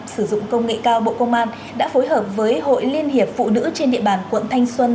sử dụng công nghệ cao bộ công an đã phối hợp với hội liên hiệp phụ nữ trên địa bàn quận thanh xuân